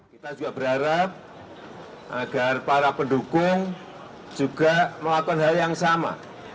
kita juga berharap agar para pendukung juga melakukan hal yang sama